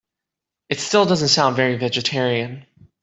It still doesn’t sound very vegetarian.